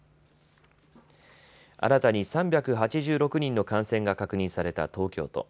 新たに３８６人の感染が確認された東京都。